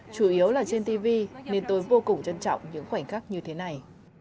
chủ yếu là trên tv nên tôi vô cùng trân trọng những khoảnh khắc như thế này